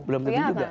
belum tentu juga